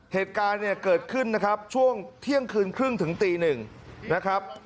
เหตุการณ์เนี่ยเกิดขึ้นนะครับช่วงเที่ยงคืนครึ่งถึงตีหนึ่งนะครับ